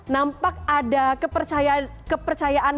nampak ada kepercayaan